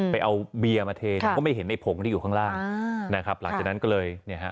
ไปเอาเบียร์มาเทเนี่ยก็ไม่เห็นไอ้ผงที่อยู่ข้างล่างนะครับหลังจากนั้นก็เลยเนี่ยฮะ